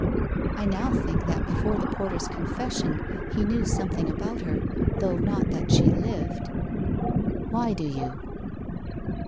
I now think that before the porter's confession he knew something about her though not that she lived.' 'Why do you?